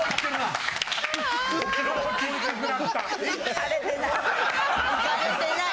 されてない！